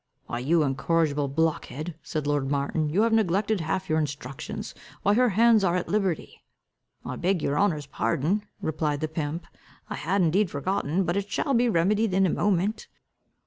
"Why, you incorrigible blockhead," said lord Martin, "you have neglected half your instructions. Why, her hands are at liberty." "I beg your honour's pardon," replied the pimp, "I had indeed forgotten, but it shall be remedied in a moment."